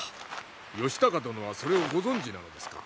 義高殿はそれをご存じなのですか？